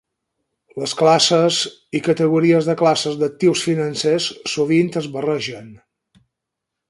Les classes i categories de classes d'actius financers sovint es barregen.